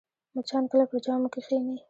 مچان کله پر جامو کښېني